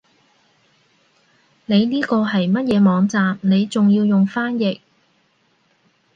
你呢個係乜嘢網站你仲要用翻譯